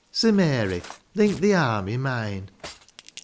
So, Mary, link thi arm i' mine.